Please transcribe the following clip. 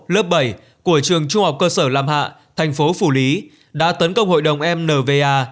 lớp bảy của trường trung học cơ sở lam hạ thành phố phủ lý đã tấn công hội đồng m nva